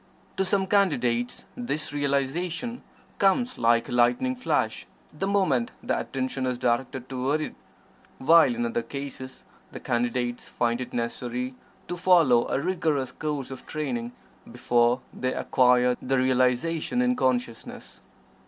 To some Candidates, this realization comes like a lightning flash the moment the attention is directed toward it, while in other cases the Candidates find it necessary to follow a rigorous course of training before they acquire the realization in consciousness.